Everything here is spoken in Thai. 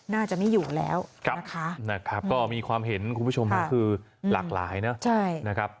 น่าจะไม่อยู่แล้วนะครับก็มีความเห็นคุณผู้ชมคือหลากหลายเนอะนะครับ